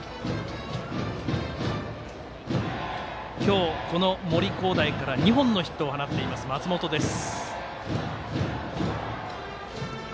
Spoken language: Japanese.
今日、この森煌誠から２本のヒットを放っている松本です。